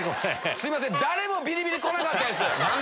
すいません誰もビリビリこなかったです。